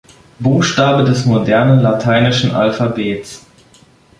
Buchstabe des modernen lateinischen Alphabets.